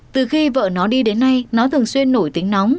từ khi vợ nó đi đến nay nó thường xuyên nổi tiếng nóng